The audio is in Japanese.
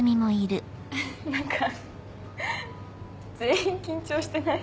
何か全員緊張してない？